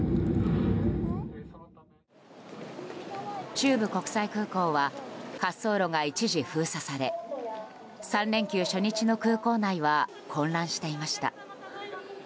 中部国際空港は滑走路が一時封鎖され３連休初日の空港内は混乱していました。